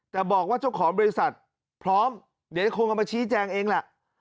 แต่บอกว่าเจ้าของบริษัทพร้อมเดี๋ยวคงเอามาชี้แจงเองแหละ